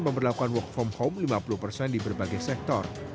memperlakukan work from home lima puluh persen di berbagai sektor